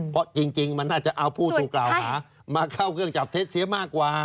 เพราะจริงมันน่าจะเอาผู้ถูกกล่าวหามาเข้าเครื่องจับเท็จเสียมากกว่า